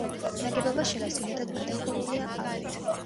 ნაგებობა შელესილია და გადახურულია ყავრით.